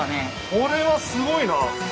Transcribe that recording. これはすごいな。